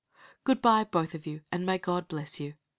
Good by, both of you, and may God bless you!